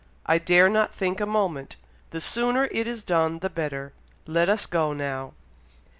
I dare not think a moment. The sooner it is done the better. Let us go now."